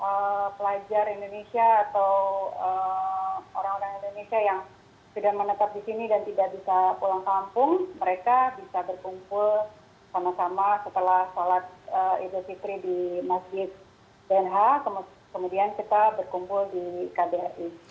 untuk pelajar indonesia atau orang orang indonesia yang sudah menetap di sini dan tidak bisa pulang kampung mereka bisa berkumpul sama sama setelah sholat idul fitri di masjid benha kemudian kita berkumpul di kbri